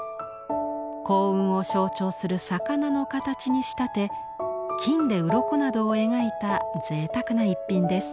幸運を象徴する魚の形に仕立て金でうろこなどを描いたぜいたくな一品です。